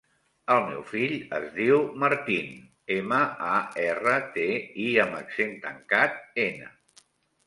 El meu fill es diu Martín: ema, a, erra, te, i amb accent tancat, ena.